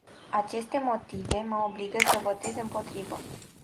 Aceste motive mă obligă să votez împotrivă.